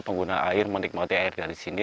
pengguna air menikmati air dari sini